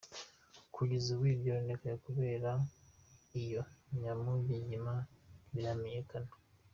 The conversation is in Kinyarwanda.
Kugeza ubu ivyononekaye kubera iyo nyamugigima ntibiramenyekana.